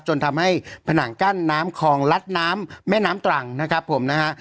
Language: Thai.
จนทำให้ผนังกั้นน้ำคลองลัดน้ำแม่น้ำตรังนะครับผมนะฮะ